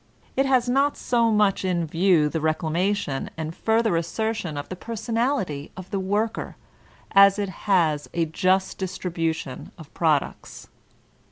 It has not so much in view the reclamation and further assertion of the personality of the worker as it has a just distribution of products.